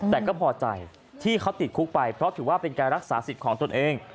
แต่ก็พอใจที่เขาติดคุกไปเพราะถือว่าเป็นการรักษาสิทธิ์ของตนเอง